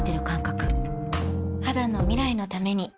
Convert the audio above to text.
肌の未来のために